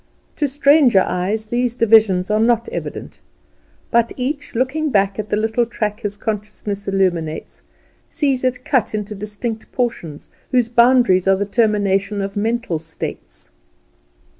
To stranger eyes these divisions are not evident; but each, looking back at the little track his consciousness illuminates, sees it cut into distinct portions, whose boundaries are the termination of mental states.